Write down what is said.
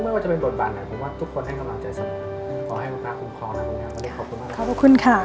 ก็ไม่ว่าจะเป็นบทบาทนั้นผมว่าทุกคนให้กำลังใจสมบัติขอให้คุณพระคุณคล้องนะครับคุณครับ